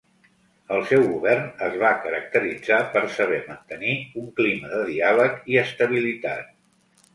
El seu govern es va caracteritzar per saber mantenir un clima de diàleg i estabilitat.